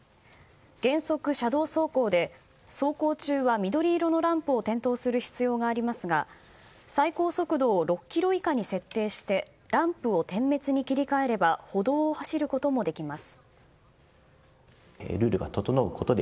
原則、車道走行で走行中は緑色のランプを点灯する必要がありますが最高速度を６キロ以下に設定してランプを点滅に切り替えれば歩道を走ることもできます。